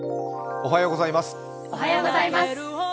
おはようございます。